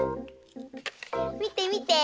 みてみて！